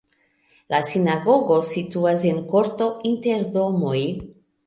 La sinagogo situas en korto inter domoj.